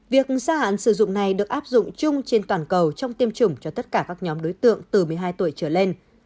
việc gia hạn sử dụng này được áp dụng chung trên toàn cầu trong tiêm chủng cho tất cả các nhóm đối tượng từ một mươi hai tuổi trở lên